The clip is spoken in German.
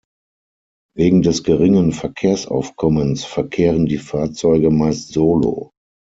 Wegen des geringen Verkehrsaufkommens verkehren die Fahrzeuge meist solo.